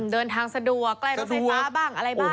เดินทางสะดวกใกล้รถไฟฟ้าบ้างอะไรบ้าง